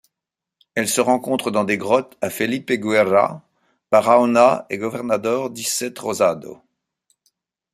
Elle se rencontre dans des grottes à Felipe Guerra, Baraúna et Governador Dix-Sept Rosado.